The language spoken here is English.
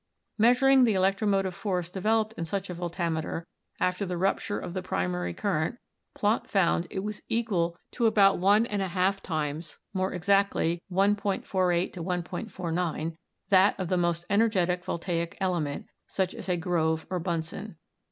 Measuring the electromotive force developed in such a voltameter, after the rupture of the primary current, Plante found that it was equal to about one and a half; times (more exactly, 1.48 1.49) that of the most ener getic voltaic element, such as a Grove or Bunsen.